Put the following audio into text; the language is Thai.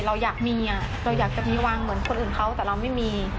เราอยากมีเราอยากจะมีวางเหมือนคนอื่นเขาแต่เราไม่มี